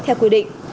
theo quy định